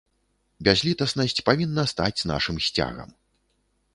Бязлітаснасць павінна стаць нашым сцягам.